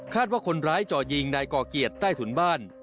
ว่าคนร้ายจ่อยิงนายก่อเกียรติใต้ถุนบ้าน